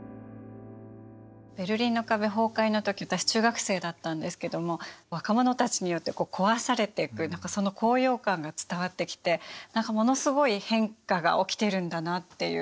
ベルリンの壁崩壊の時私中学生だったんですけども若者たちによって壊されていくその高揚感が伝わってきてものすごい変化が起きてるんだなっていう印象を受けたんですけど。